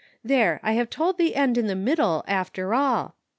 There, I have told the end in the middle, after all.